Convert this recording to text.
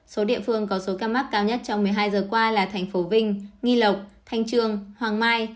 số địa phương có số ca mắc cao nhất trong một mươi hai giờ qua là thành phố vinh nghi lộc thanh trương hoàng mai